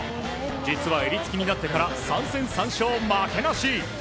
実は襟付きになってから３戦３勝負けなし。